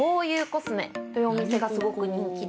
というお店がすごく人気で。